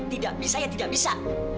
tidak bisa ya tidak bisa